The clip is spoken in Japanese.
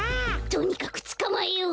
とにかくつかまえよう。